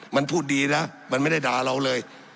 มันพูดดีนะมันไม่ได้ด่าเราเลย